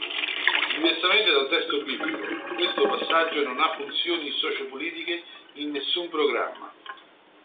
Diversamente dal testo biblico, questo passaggio non ha funzioni socio-politiche in nessun programma.